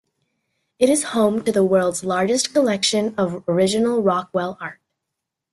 It is home to the world's largest collection of original Rockwell art.